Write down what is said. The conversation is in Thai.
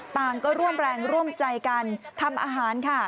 ต่างก็ร่วมแรงร่วมใจกันทำอาหารค่ะ